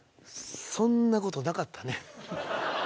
そんなことなかったね。